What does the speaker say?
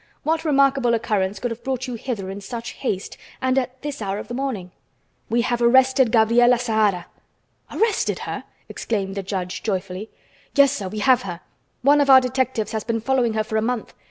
"What remarkable occurrence could have brought you hither in such haste and at this hour of the morning?" "We have arrested Gabriela Zahara." "Arrested her?" exclaimed the judge joyfully. "Yes, sir, we have her. One of our detectives has been following her for a month.